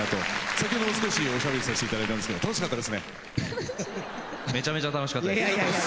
先ほど少しおしゃべりさせて頂いたんですけど楽しかったですね。